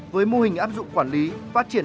với mô hình áp dụng quản lý phát triển